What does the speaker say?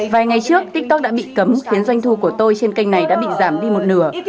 vài ngày trước tiktok đã bị cấm khiến doanh thu của tôi trên kênh này đã bị giảm đi một nửa